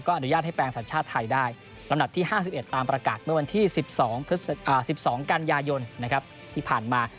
อนุญาตให้แปลงสัญชาติไทยได้ลำดับที่๕๑ตามประกาศเมื่อวันที่๑๒กันยายนที่ผ่านมา